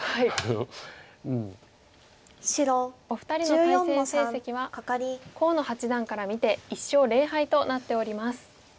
お二人の対戦成績は河野八段から見て１勝０敗となっております。